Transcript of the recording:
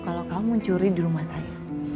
kalau kamu curi di rumah saya